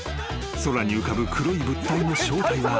空に浮かぶ黒い物体の正体は］